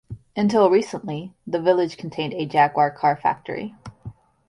Until recently the village contained a Jaguar car factory.